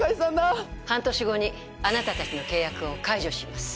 半年後にあなたたちの契約を解除します